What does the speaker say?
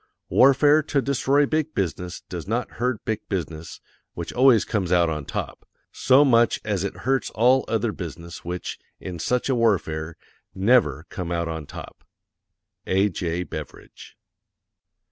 Warfare to destroy big business does not hurt big business, which always comes out on top, SO MUCH AS IT HURTS ALL OTHER BUSINESS WHICH, IN SUCH A WARFARE, NEVER COME OUT ON TOP. A.J. BEVERIDGE.